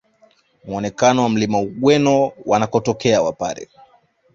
Muonekano wa Mlima Ugweno wanakotokea wapare